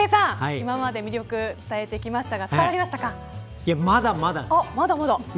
今まで魅力、伝えてきましたがまだまだです。